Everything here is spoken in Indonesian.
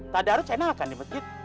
tak ada harus saya nalakan di masjid